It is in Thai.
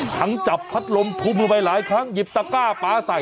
ทั้งจับพัดลมทุ่มลงไปหลายครั้งหยิบตะก้าป๊าใส่